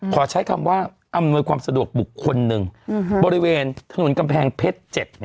ขอใช้คำว่าอำนวยความสะดวกบุคคลหนึ่งบริเวณถนนกำแพงเพชร๗